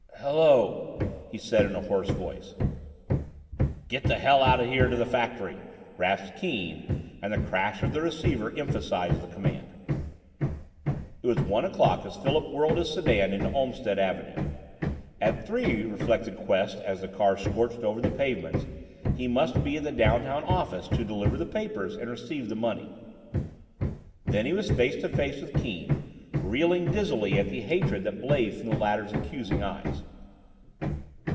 "Hello!", he said in a hoarse voice. "Get the hell out here to the factory!" rasped Keane, and the crash of the receiver emphasized the command. It was one o'clock as Philip whirled his sedan into Olmstead Avenue. At three, reflected Quest as the car scorched over the pavements, he must be at the downtown office to deliver the papers and receive the money. Then he was face to face with Keane, reeling dizzily at the hatred that blazed from the latter's accusing eyes.